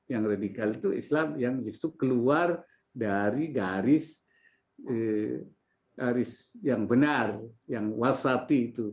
yang radikal itu islam yang justru keluar dari garis yang benar yang wasati itu